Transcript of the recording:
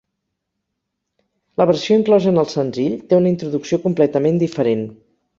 La versió inclosa en el senzill té una introducció completament diferent.